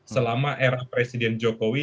selama era presiden jokowi